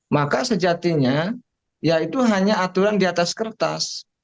maka sejatinya ya itu hanya aturan di atas kertas